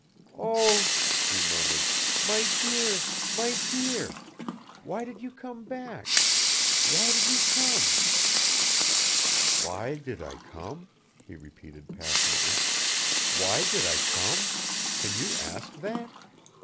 "Oh!" she murmured, "my dear, my dear! Why did you come back? Why did you come?" "Why did I come?" he repeated, passionately. "Why did I come? Can you ask that?